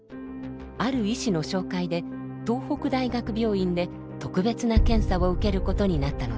ある医師の紹介で東北大学病院で特別な検査を受けることになったのです。